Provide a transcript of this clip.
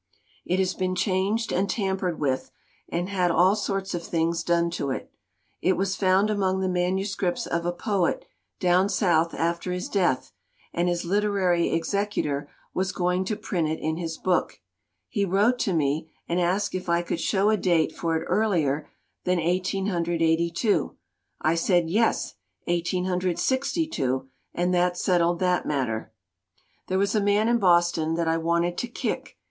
"It has been changed and tampered with and had all sorts of things done to it. It was found among the manuscripts of a poet down South after his death, and his literary executor was going to print it in his book. He wrote to me and asked if I could show a date for it earlier than 1882. I said, 'Yes, 1862!' and that settled that matter. "There was a man in Boston that I wanted to kick!